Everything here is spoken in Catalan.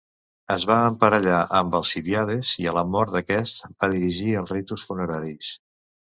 Es va emparellar amb Alcibíades i a la mort d'aquest va dirigir els ritus funeraris.